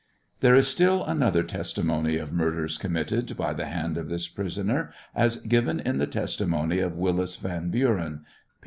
There is still other testimony of murders committed by the baud of this pris oner, as given in the testimony of Willis Van Buren (p.